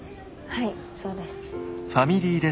はいそうです。